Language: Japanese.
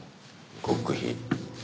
極秘。